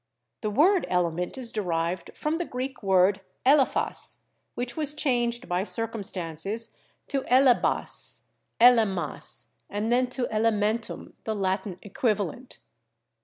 The word element is derived from the Greek word 'elephas/ which was changed by circumstances to 'elebas,' 'elemas,' and then to 'elementum,' the Latin equivalent.